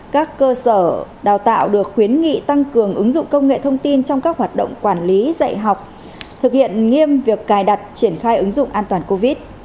các cơ sở đào tạo được khuyến nghị tăng cường ứng dụng công nghệ thông tin trong các hoạt động quản lý dạy học thực hiện nghiêm việc cài đặt triển khai ứng dụng an toàn covid